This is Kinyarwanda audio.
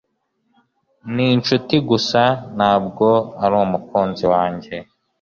ni inshuti gusa, ntabwo ari umukunzi wanjye.